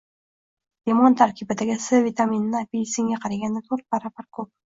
Limon tarkibidagi S vitamini apelsinga qaraganda to‘rt baravar ko‘p.